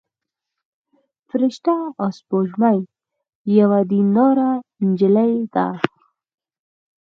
فرشته سپوږمۍ یوه دينداره نجلۍ ده.